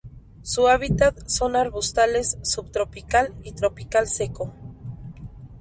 Su hábitat son arbustales subtropical y tropical seco.